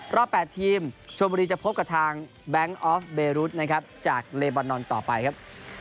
รอบ๘ทีมชวนบุรีจะพบกับทางแบงค์ออฟเบรุษนะครับจากเลบอนนอนต่อไปครับ